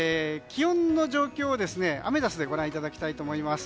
気温の状況をアメダスでご覧いただきたいと思います。